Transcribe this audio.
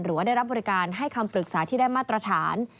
หรือว่าได้รับบริการให้คำปรึกษาที่ได้มาตรฐาน